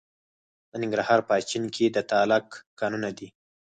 د ننګرهار په اچین کې د تالک کانونه دي.